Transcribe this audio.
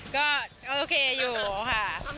ก็โอเคอยู่ค่ะ